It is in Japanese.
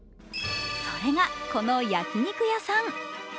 それが、この焼き肉屋さん。